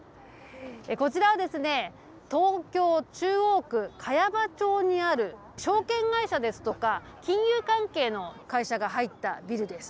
こちらは東京・中央区茅場町にある証券会社ですとか、金融関係の会社が入ったビルです。